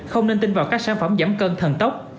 không nên tin vào các sản phẩm giảm cân thần tốc